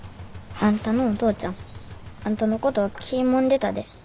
あんたのお父ちゃんあんたのこと気ぃもんでたで。